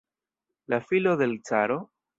La filo de l' caro?